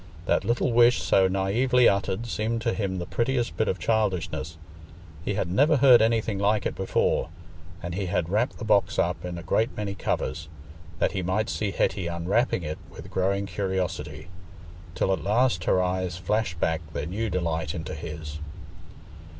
That little wish so naively uttered seemed to him the prettiest bit of childishness; he had never heard anything like it before; and he had wrapped the box up in a great many covers, that he might see Hetty unwrapping it with growing curiosity, till at last her eyes flashed back their new delight into his.